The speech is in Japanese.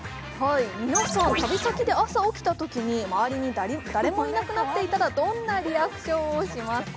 皆さん、旅先で朝起きたときに周りに誰もいなくなっていたらどんなリアクションをしますか？